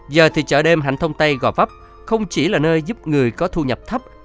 giờ thì chợ đêm hạnh thông tây gò vấp không chỉ là nơi giúp người có thu nhập thấp